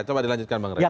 coba dilanjutkan bang rai